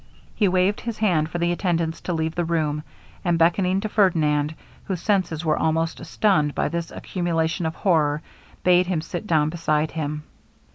He waved his hand for the attendants to leave the room; and beckoning to Ferdinand, whose senses were almost stunned by this accumulation of horror, bade him sit down beside him.